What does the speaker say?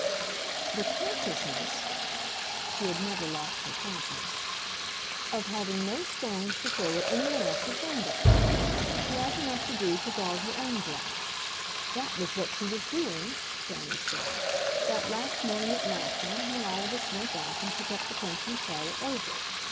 "The consciousness" she had never lost her promptness "of having no stones to throw at any one else's windows. She has enough to do to guard her own glass. That was what she was doing," Fanny said, "that last morning at Matcham when all of us went off and she kept the Prince and Charlotte over.